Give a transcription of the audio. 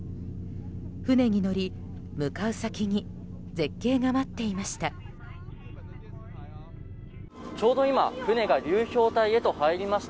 船に乗り、向かう先に絶景が待っていました。